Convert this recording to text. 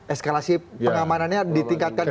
eskalasi pengamanannya ditingkatkan gitu ya pak